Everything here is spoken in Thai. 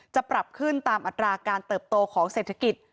จะปรับขึ้นตามอัตราการเติบโตของเศรษฐกิจ